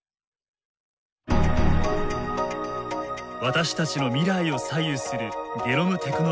私たちの未来を左右するゲノムテクノロジー。